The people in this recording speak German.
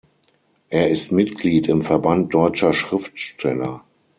Er ist Mitglied im Verband deutscher Schriftsteller.